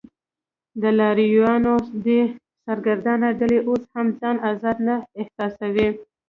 د لارویانو دې سرګردانه ډلې اوس هم ځان آزاد نه احساساوه.